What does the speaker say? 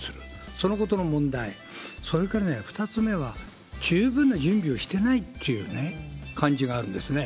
そのことの問題、それから２つ目は、十分な準備をしてないっていう感じがあるんですね。